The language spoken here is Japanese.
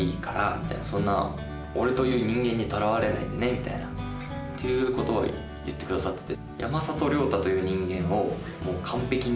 やっぱ。っていうことは言ってくださってて。